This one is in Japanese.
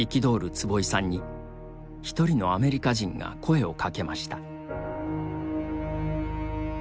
坪井さんに、一人のアメリカ人が声を掛けました。